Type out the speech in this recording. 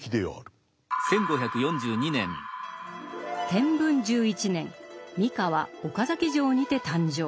天文１１年三河・岡崎城にて誕生。